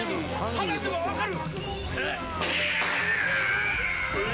話せばわかる！」